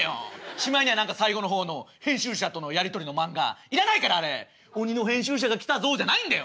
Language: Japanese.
しまいには何か最後の方の編集者とのやり取りの漫画要らないからあれ「鬼の編集者が来たぞ」じゃないんだよ。